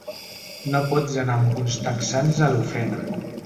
No pots anar amb uns texans a l’ofrena.